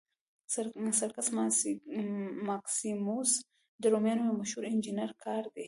سرکس ماکسیموس د رومیانو یو مشهور انجنیري کار دی.